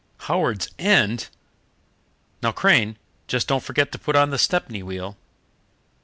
"Howards End? Now, Crane, just don't forget to put on the Stepney wheel."